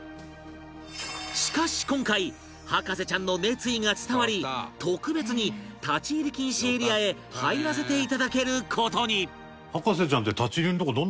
しかし今回博士ちゃんの熱意が伝わり特別に立ち入り禁止エリアへ入らせて頂ける事に！